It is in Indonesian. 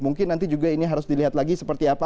mungkin nanti juga ini harus dilihat lagi seperti apa